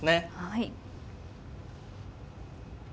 はい。